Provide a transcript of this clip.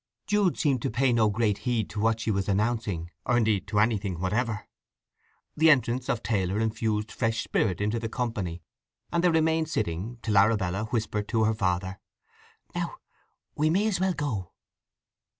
Jude seemed to pay no great heed to what she was announcing, or indeed to anything whatever. The entrance of Taylor infused fresh spirit into the company, and they remained sitting, till Arabella whispered to her father: "Now we may as well go."